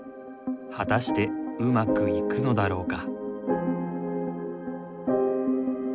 果たしてうまくいくのだろうか。